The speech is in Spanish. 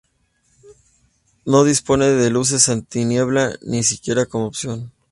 No dispone de luces antiniebla, ni siquiera como opción.